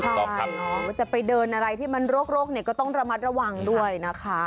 ถูกต้องครับใช่หรือว่าจะไปเดินอะไรที่มันโรคเนี่ยก็ต้องระมัดระวังด้วยนะคะ